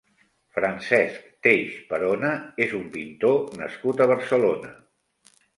Francesc Teix Perona és un pintor nascut a Barcelona.